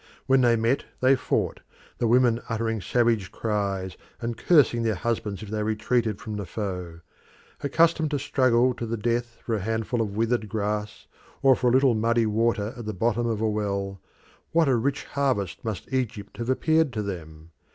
When they met they fought, the women uttering savage cries and cursing their husbands if they retreated from the foe. Accustomed to struggle to the death for a handful of withered grass or for a little muddy water at the bottom of a well, what a rich harvest must Egypt have appeared to them!